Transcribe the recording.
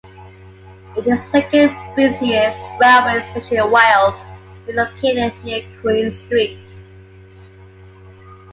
It is the second busiest railway station in Wales, being located near Queen Street.